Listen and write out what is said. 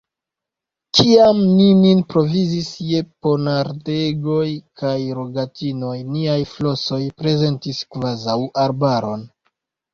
Kiam ni nin provizis je ponardegoj kaj rogatinoj, niaj flosoj prezentis kvazaŭ arbaron.